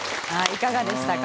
いかがでしたか？